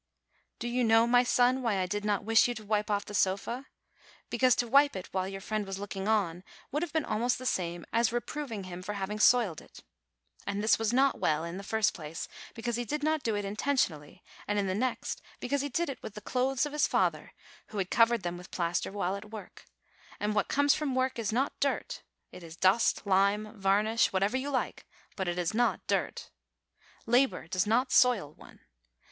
Do you know, my son, why I did not wish you to wipe off the sofa ? Because to wipe it while your friend 64 DECEMBER was looking on would have been almost the same as reproving him for having soiled it. And this was not well, in the first place, because he did not do it intentionally, and in the next, because he did it with the clothes of his father, who had covered them with plaster while at work; and what comes from work is not dirt; it is dust, lime, varnish, whatever you like, but it is not dirt. Labor does not soil one.